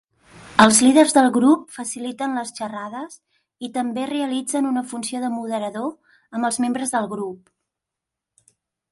Els líders del grup faciliten les xerrades i també realitzen una funció de moderador amb els membres del grup.